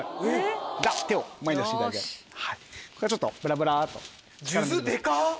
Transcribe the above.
じゃあ手を前に出していただいてこれちょっとぶらぶらっと。